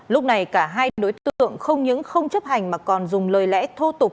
lúc này cả hai đối tượng không những không chấp hành mà còn dùng lời lẽ thô tục